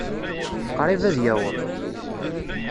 Qṛib ad yaweḍ.